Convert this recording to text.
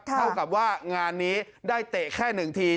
เท่ากับว่างานนี้ได้เตะแค่๑ที